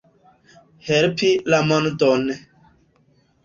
Helpi la mondon.